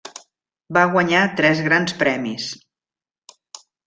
Va guanyar tres Grans Premis.